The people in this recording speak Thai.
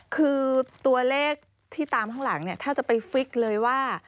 คือตัวเลขที่ตามข้างหลังเนี่ยถ้าจะไปฟิกเลยว่า